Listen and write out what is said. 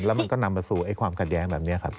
แล้วมันก็นำมาสู่ความขัดแย้งแบบนี้ครับ